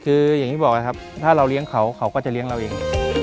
คืออย่างที่บอกนะครับถ้าเราเลี้ยงเขาเขาก็จะเลี้ยงเราเอง